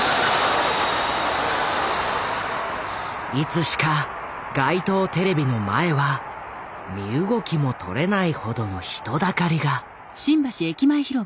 いつしか街頭テレビの前は身動きもとれないほどの人だかりが。